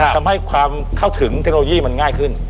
ทำให้ความเข้าถึงเทคโนโลยีมันง่ายขึ้น